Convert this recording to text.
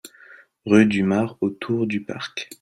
Rue du Mare au Tour-du-Parc